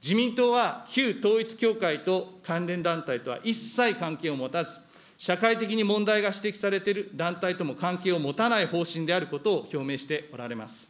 自民党は旧統一教会と関連団体とは一切関係を持たず、社会的に問題が指摘されている団体とも関係を持たない方針であることを表明しておられます。